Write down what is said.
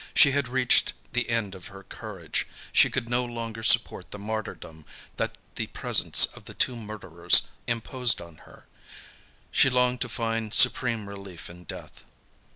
She had reached the end of her courage, she could no longer support the martyrdom that the presence of the two murderers imposed on her, she longed to find supreme relief in death.